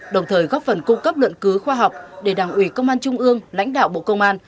đồng thời góp phần cung cấp luận cứu khoa học để đảng ủy công an trung ương lãnh đạo bộ công an